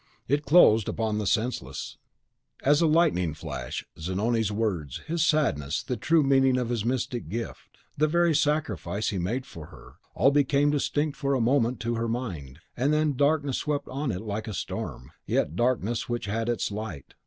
It closed upon the senseless! As a lightning flash, Zanoni's words, his sadness, the true meaning of his mystic gift, the very sacrifice he made for her, all became distinct for a moment to her mind, and then darkness swept on it like a storm, yet darkness which had its light.